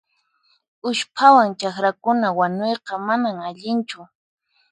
Usphawan chakrakuna wanuyqa manan allinchu.